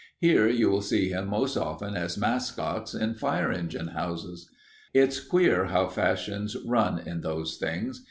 Here you will see them most often as mascots in fire engine houses. It's queer how fashions run in those things.